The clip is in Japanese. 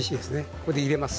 ここに入れます。